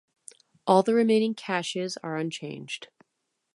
All the remaining caches are unchanged.